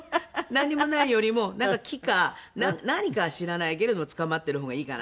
何もないよりもなんか木か何か知らないけどもつかまってる方がいいかな。